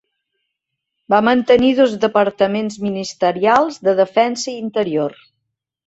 Va mantenir dos departaments ministerials de defensa i interior.